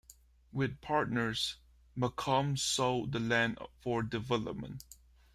With partners, Macomb sold the land for development.